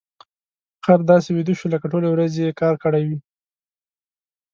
خر داسې ویده شو لکه ټولې ورځې يې کار کړی وي.